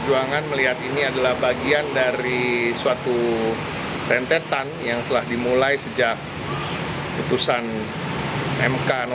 dalam gugatannya rida meminta ma memperluas tafsir syarat minimal usia peserta pilkada